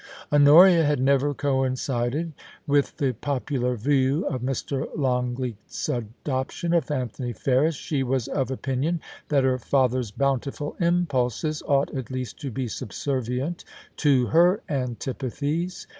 Honoria had never coincided with the popular view of Mr. Longleat's adoption of Anthony Ferris. She was of opinion that her father's bountiful impulses ought at least to be subservient to her antipathies.